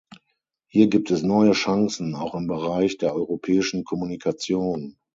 Hier gibt es neue Chancen auch im Bereich der europäischen Kommunikation.